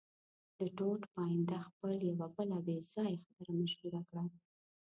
د ټوټ پاینده خېل یوه بله بې ځایه خبره مشهوره وه.